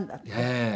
ええ。